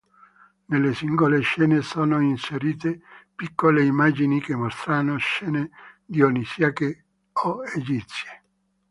Nelle singole scene sono inserite piccole immagini che mostrano scene dionisiache o egizie.